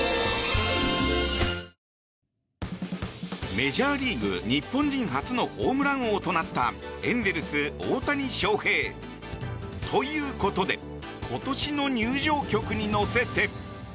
メジャーリーグ日本人初のホームラン王となったエンゼルス、大谷翔平。ということで今年の入場曲に乗せて。